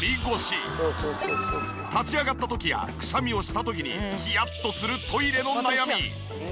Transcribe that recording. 立ち上がった時やくしゃみをした時にヒヤッとするトイレの悩み。